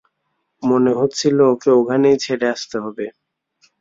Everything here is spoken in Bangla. মনে হচ্ছিল ওকে ওখানেই ছেড়ে আসতে হবে।